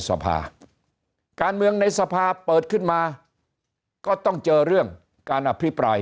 สภาการเมืองในสภาเปิดขึ้นมาก็ต้องเจอเรื่องการอภิปราย